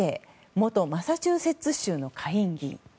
元マサチューセッツ州の下院議員。